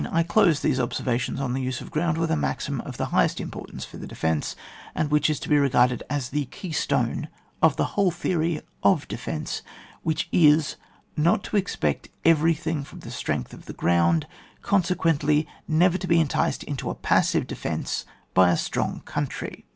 I close these observations on the use of ground, with a maxim of ^e highest importance for the defence, and which is to be regarded as the key stone of the whole theory of defence, which is: — Not to es^ect everything from the strength of the ground, consequently never to be enticed into a passive defence by a strong country.